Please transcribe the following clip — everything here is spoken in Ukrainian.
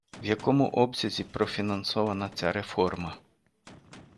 В якому обсязі профінансована ця реформа?